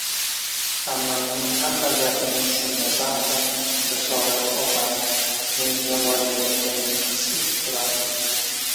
Ammamning hamma gapini tushunmasam ham, Risolat opani yomonlayotganini his etib turardim.